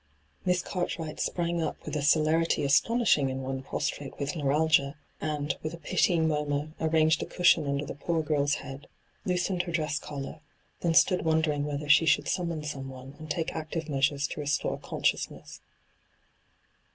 Miss Cartwright sprang up with a celerity astonishing in one prosteate with neuralgia, and, with a pitying murmur, arranged a cushion under the poor girl's head, loosened her dresa eollar, then stood wondering whether she should summon someone and take active measures to restore consciousness.